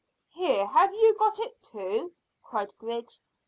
"Here, have you got it too?" cried Griggs.